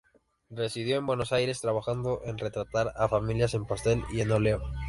Residió en Buenos Aires, trabajando en retratar a familias, en pastel y en óleo.